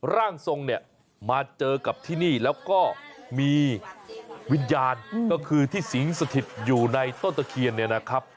ร่างทรงมาเจอกับที่นี่แล้วก็มีวิญญาณก็คือที่สิงห์สถิตอยู่ในต้นตะเคียน